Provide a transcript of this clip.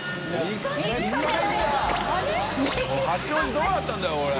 どうなったんだよこれ。